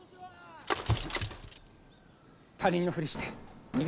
他人のふりして逃げろ。